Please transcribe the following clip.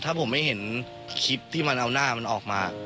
ถ้าผมไม่เห็นคลิปที่มันเอาหน้ามันออกมา